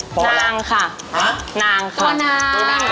พกบ้าละไม่ค่อยได้อารมณ์